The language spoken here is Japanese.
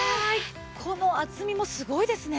この厚みもすごいですね。